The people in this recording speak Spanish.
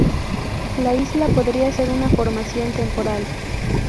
La isla podría ser una formación temporal.